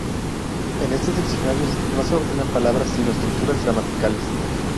En estos diccionarios no se ordenan palabras, sino estructuras gramaticales.